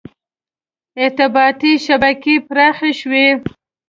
• ارتباطي شبکې پراخې شوې.